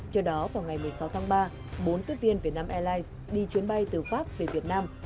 trước đó vào ngày một mươi sáu tháng ba bốn tiếp viên việt nam airlines đi chuyến bay từ pháp về việt nam